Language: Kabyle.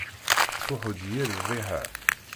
Tettfuḥu-d yir rriḥa.